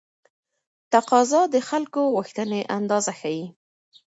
تقاضا د خلکو غوښتنې اندازه ښيي.